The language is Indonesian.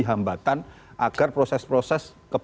hambatan agar proses proses